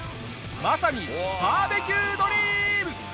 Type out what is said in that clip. まさにバーベキュードリーム！